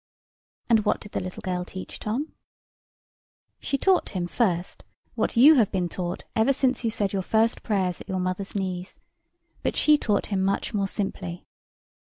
And what did the little girl teach Tom? She taught him, first, what you have been taught ever since you said your first prayers at your mother's knees; but she taught him much more simply.